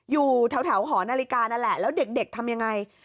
อยู่แถวหอนาฬิกานั่นแหละแล้วเด็กทำยังไง